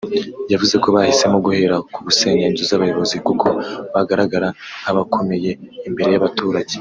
yavuze ko bahisemo guhera ku gusenya inzu z’abayobozi kuko bagaragara nk’abakomeye imbere y’abaturage